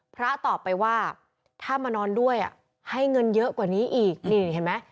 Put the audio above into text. ตอบไปว่าถ้ามานอนด้วยให้เงินเยอะกว่านี้อีกนี่เห็นไหม